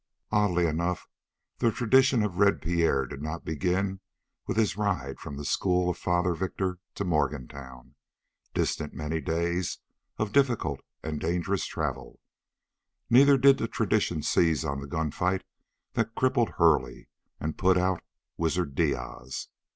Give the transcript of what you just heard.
Oddly enough, the tradition of Red Pierre did not begin with his ride from the school of Father Victor to Morgantown, distant many days of difficult and dangerous travel. Neither did tradition seize on the gunfight that crippled Hurley and "put out" wizard Diaz.